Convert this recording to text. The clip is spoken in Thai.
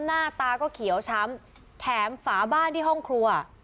หน้าตาก็เขียวช้ำแถมฝาบ้านที่ห้องครัว